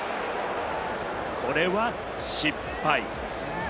これは失敗。